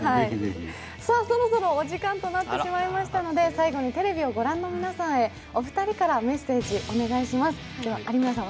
そろそろお時間となってしまいましたので、最後にテレビを御覧の皆さんへお二人からメッセージ、お願いします。